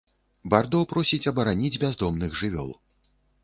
Бардо просіць абараніць бяздомных жывёл.